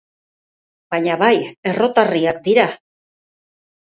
Baina bai, errotarriak dira.